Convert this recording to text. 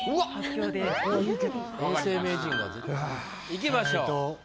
いきましょう。